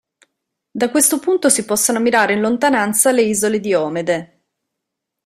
Da questo punto si possono ammirare in lontananza le isole Diomede.